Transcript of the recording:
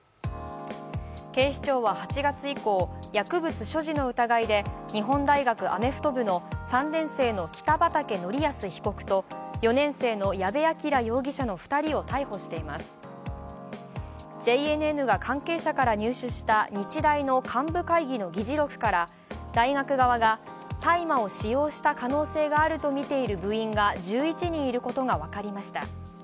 警視庁は８月以降、薬物所持の疑いで日本大学アメフト部の３年生の北畠成文被告と４年生の矢部鑑羅容疑者の２人を逮捕していますＪＮＮが関係者から入手した日大の幹部会議の議事録から大学側が大麻を使用した可能性があるとみている部員が１１人いることが分かりました。